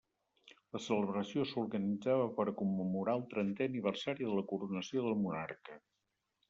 La celebració s'organitzava per a commemorar el trentè aniversari de la coronació del monarca.